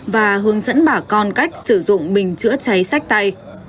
và hướng dẫn bà con cách sử dụng bình chữa cháy sách tay